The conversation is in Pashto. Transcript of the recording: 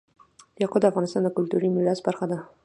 یاقوت د افغانستان د کلتوري میراث برخه ده.